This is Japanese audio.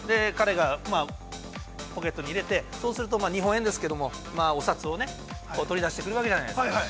彼が、ポケットに入れてそうすると日本円ですけども、お札をね取り出してくるわけじゃないですか。